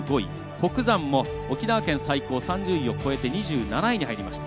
北山も沖縄県最高３０位を超えて２７位に入りました。